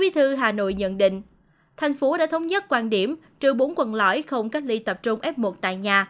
thứ hà nội nhận định thành phố đã thống nhất quan điểm trừ bốn quần lõi không cách ly tập trung f một tại nhà